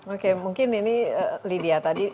oke mungkin ini lydia tadi